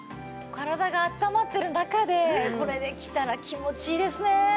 体が温まってる中でこれできたら気持ちいいですね。